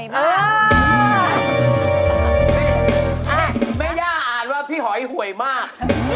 แม่ย่าอ่านว่าพี่หอยหวยมาก